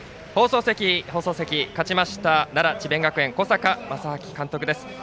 勝ちました奈良・智弁学園小坂将商監督です。